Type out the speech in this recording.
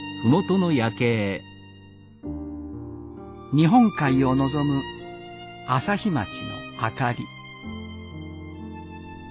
日本海を望む朝日町の明かり。